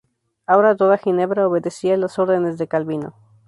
Ahora toda Ginebra obedecía las órdenes de Calvino.